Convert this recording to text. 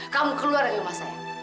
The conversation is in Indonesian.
kamu keluar dari rumah saya